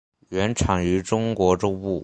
原产于中国中部。